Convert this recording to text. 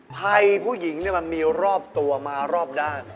ภัยผู้หญิงมันมีรอบตัวมารอบด้าน